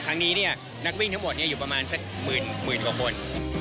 ครั้งนี้นักวิ่งทั้งหมดอยู่ประมาณสักหมื่นกว่าคน